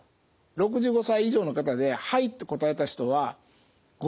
６５歳以上の方で「はい」と答えた人は５％もいない。